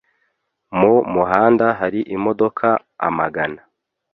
Mu muhanda hari imodoka amagana.